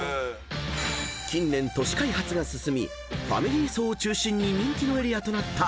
［近年都市開発が進みファミリー層を中心に人気のエリアとなった］